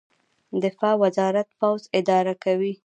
دفاع وزارت پوځ اداره کوي